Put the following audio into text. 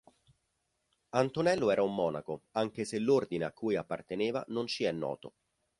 Antonello era un monaco, anche se l'ordine a cui apparteneva non ci è noto.